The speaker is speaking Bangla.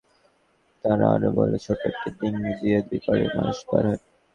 তারা আরও বলে, ছোট একটি ডিঙি দিয়ে দুই পাড়ের মানুষ পার হয়।